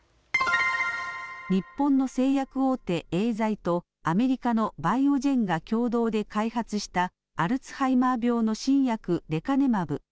日本の製薬大手、エーザイとアメリカのバイオジェンが共同で開発したアルツハイマー病の新薬、レカネマブ。